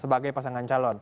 sebagai pasangan calon